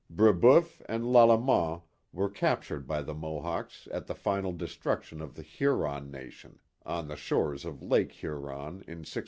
Brebeuf and Lalemant were captured by the Mohawks at the final destruction of the Huron nation on the shores of Lake Huron in 1649.